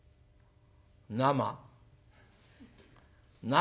「生。